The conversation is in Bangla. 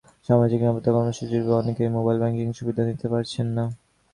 সামাজিক নিরাপত্তা কর্মসূচির সুবিধাভোগীদের অনেকেই মোবাইল ব্যাংকিং সুবিধা নিতে পারছেন না।